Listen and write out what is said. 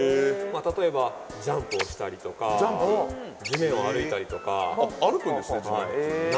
例えばジャンプをしたりとか地面を歩いたりとか歩くんですね